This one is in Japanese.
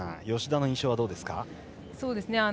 芳田の印象はどうですか。